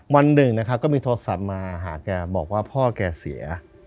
วันหนึ่งนะครับก็มีโทรศัพท์มาหาแกบอกว่าพ่อแกเสีย